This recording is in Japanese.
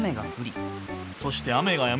そして雨がやむ。